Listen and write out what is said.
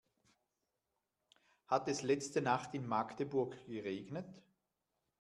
Hat es letzte Nacht in Magdeburg geregnet?